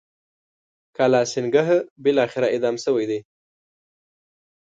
کالاسینګهـ بالاخره اعدام شوی دی.